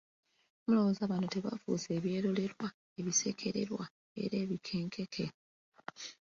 Mulowooza bano tebafuuse ebyerolerwa, ebisekererwa era ebikekenke ?